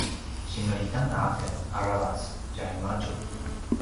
singlitanga aken aravac tjaimadju